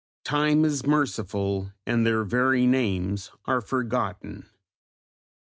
Time is merciful and their very names are forgotten.